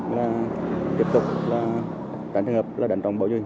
là tiếp tục trả trường hợp là đánh trọng bảo vệ